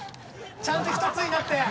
ちゃんとひとつになって！